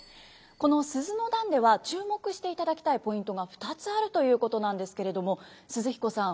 この「鈴の段」では注目していただきたいポイントが２つあるということなんですけれども寿々彦さん